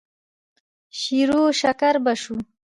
شېروشکر به شو.